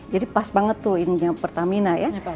jadi pas banget tuh ini yang pertamina ya